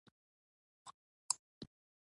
هغه جامه چې په سوال تر لاسه شي.